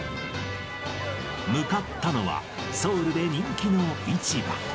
向かったのは、ソウルで人気の市場。